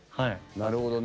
なるほどね。